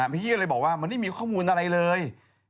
พี่ยี่ก็เลยบอกว่ามันไม่มีข้อมูลอะไรเลย